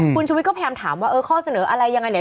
คุณชุวิตก็แพรมถามว่าข้อเสนออะไรยังไง